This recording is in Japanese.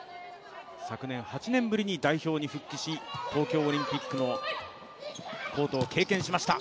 昨年８年ぶりに代表に復帰し東京オリンピックのコートを経験しました。